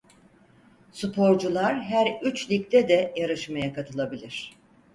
Sporcular her üç ligde de yarışmaya katılabilir.